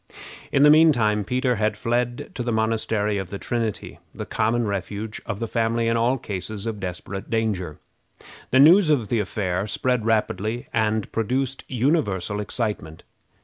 In the mean time Peter had fled to the Monastery of the Trinity, the common refuge of the family in all cases of desperate danger. The news of the affair spread rapidly, and produced universal excitement.